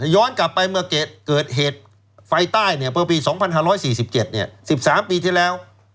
ย้อนกลับไปเมื่อเกิดเหตุไฟใต้เมื่อปี๒๕๔๗๑๓ปีที่แล้ว